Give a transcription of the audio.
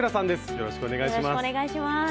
よろしくお願いします。